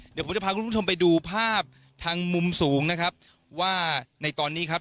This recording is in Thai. เดี๋ยวผมจะพาคุณผู้ชมไปดูภาพทางมุมสูงนะครับว่าในตอนนี้ครับ